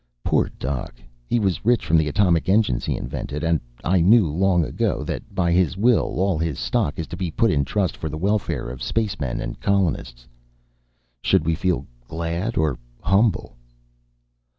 "Poor Doc. He was rich from the atomic engines he invented. And I knew long ago that, by his will, all his stock is to be put in trust for the welfare of spacemen and colonists. Should we feel glad or humble?"